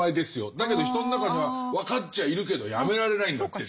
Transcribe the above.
だけど人の中には分かっちゃいるけどやめられないんだってっていう。